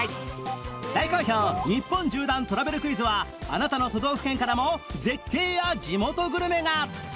大好評日本縦断トラベルクイズはあなたの都道府県からも絶景や地元グルメが！